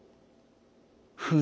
ふん